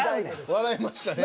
笑いましたね。